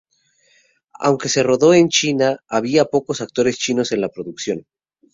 Aunque se rodó en China, había pocos actores chinos en la producción.